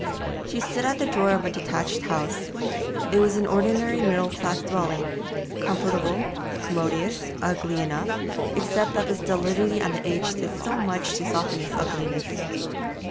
She stood at the door of a detached house. It was an ordinary middle class dwelling comfortable, commodious, ugly enough, except that stolidity and age did much to soften its ugliness.